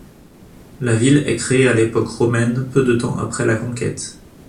La ville est créée à l'époque romaine peu de temps après la Conquête.